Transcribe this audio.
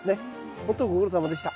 ほんとご苦労さまでした。